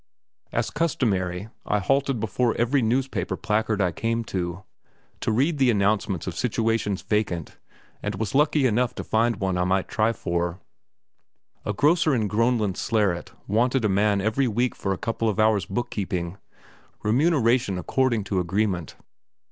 As customary, I halted before every newspaper placard I came to, to read the announcements of situations vacant, and was lucky enough to find one that I might try for. A grocer in Groenlandsleret wanted a man every week for a couple of hours' book keeping; remuneration according to agreement.